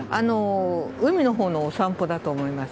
海のほうのお散歩だと思います。